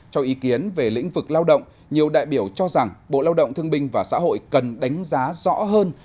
cho ý kiến về lĩnh vực lao động nhiều đại biểu cho rằng bộ lao động thương binh và xã hội cần đánh giá rõ hơn